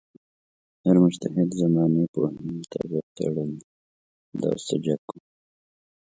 هر مجتهد زمانې پوهې مطابق څېړلې.